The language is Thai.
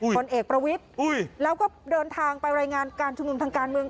ผลเอกประวิทธิ์แล้วก็เดินทางไปรายงานการชุมนุมทางการเมือง